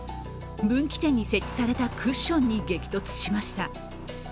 分岐点に設置されたクッションに激突しました。